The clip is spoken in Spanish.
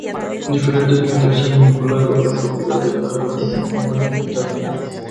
Diferentes medios han vinculado la propiedad de la aerolínea con Mario Quintana.